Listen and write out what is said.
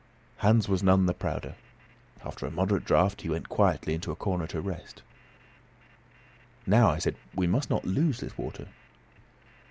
Hans was none the prouder. After a moderate draught, he went quietly into a corner to rest. "Now," I said, "we must not lose this water."